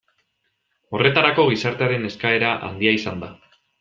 Horretarako gizartearen eskaera handia izan da.